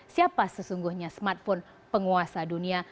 siapa sesungguhnya smartphone penguasa dunia